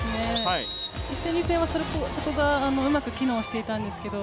１戦、２戦はそこがうまく機能していたんですけど。